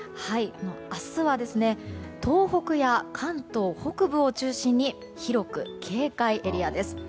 明日は東北や関東北部を中心に広く警戒エリアです。